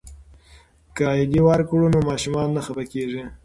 که عیدي ورکړو نو ماشومان نه خفه کیږي.